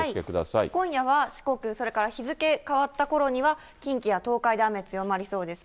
今夜は四国、それから日付変わったころには、近畿や東海で雨強まりそうです。